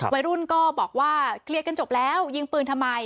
วัยรุ่นก็บอกว่าเคลียร์กันจบแล้วยิงปืนทำไม